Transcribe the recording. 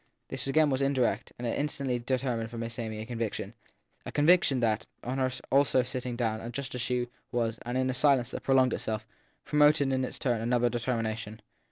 This again was indirect, and it instantly determined for Miss Amy a conviction a conviction that, on her also sitting down just as she was and in a silence that prolonged itself, promoted in its turn another determination.